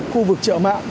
khu vực chợ mạng